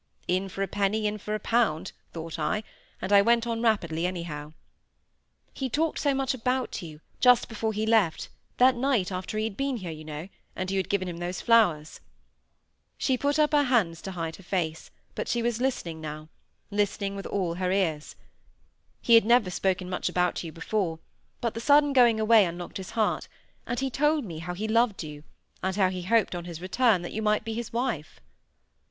"In for a penny, in for a pound," thought I, and I went on rapidly, anyhow. "He talked so much about you, just before he left—that night after he had been here, you know—and you had given him those flowers." She put her hands up to hide her face, but she was listening now—listening with all her ears. "He had never spoken much about you before, but the sudden going away unlocked his heart, and he told me how he loved you, and how he hoped on his return that you might be his wife."